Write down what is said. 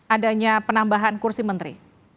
adanya penambahan kursi menteri